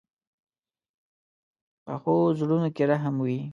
پخو زړونو کې رحم وي